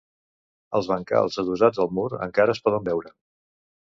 Els bancals adossats al mur encara es poden veure.